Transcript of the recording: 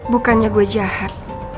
bukannya gue jahat